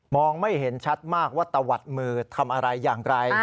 ไม่เห็นชัดมากว่าตะวัดมือทำอะไรอย่างไร